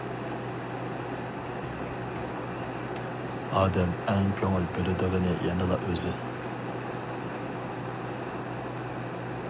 ئادەم ئەڭ كۆڭۈل بۆلىدىغىنى يەنىلا ئۆزى.